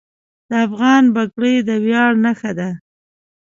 د افغان پګړۍ د ویاړ نښه ده.